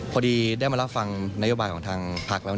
พอดีได้มารับฟังนโยบายของทางพักแล้ว